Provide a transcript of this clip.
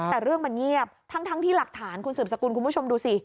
แต่เรื่องมันเงียบทั้งที่หลักฐานคุณสืบสกุลคุณผู้ชมดูสิ